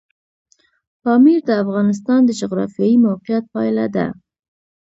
پامیر د افغانستان د جغرافیایي موقیعت پایله ده.